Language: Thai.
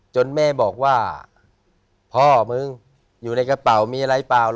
แม่บอกว่าพ่อมึงอยู่ในกระเป๋ามีอะไรเปล่า